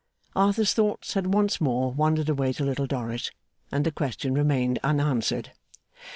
Arthur's thoughts had once more wandered away to Little Dorrit, and the question remained unanswered.